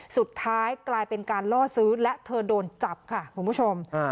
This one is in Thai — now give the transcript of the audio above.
สุดท้ายกลายเป็นการล่อซื้อและเธอโดนจับค่ะคุณผู้ชม